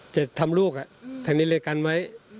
จะทำลูกทางนี้เลยกันไว้